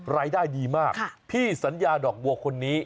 รายได้ดีมากพี่สัญญาดอกบัวคนนี้